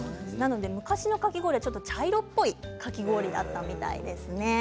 昔のかき氷は茶色っぽいかき氷だったようですね。